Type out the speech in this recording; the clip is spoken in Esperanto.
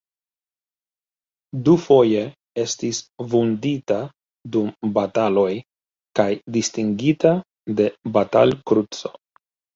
Dufoje estis vundita dum bataloj kaj distingita de Batal-Kruco.